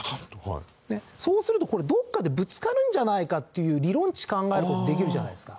そうするとこれどこかでぶつかるんじゃないかっていう理論値考える事できるじゃないですか。